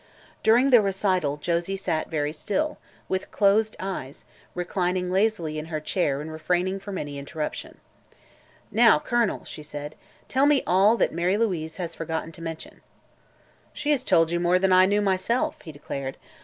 During the recital Josie sat very still, with closed eyes, reclining lazily in her chair and refraining from any interruption. "Now, Colonel," she said, "tell me all that Mary Louise has forgotten to mention." "She has told you more than I knew myself," he declared.